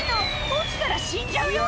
落ちたら死んじゃうよ！